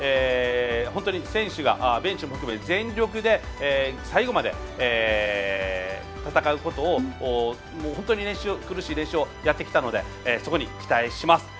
本当に選手が全力で最後まで戦うことを苦しい練習をやってきたのでそこに期待します。